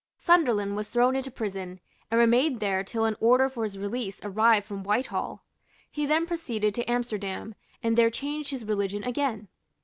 Sunderland was thrown into prison, and remained there till an order for his release arrived from Whitehall. He then proceeded to Amsterdam, and there changed his religion again.